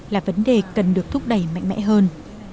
là vấn đề cần được thúc đẩy mạnh mẽ hơn